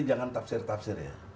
jangan tafsir tafsir ya